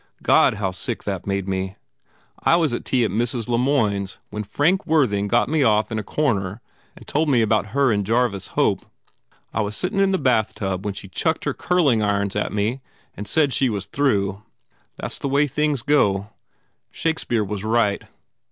God, how sick that made me! I was at tea at Mrs. Le Moyne s when Frank Worthing got me off in a corner and told me about her and Jarvis Hope. I was sittin in the bath tub when she chucked her curling irons at me and said she was through. That s the way things go. Shakespeare was right.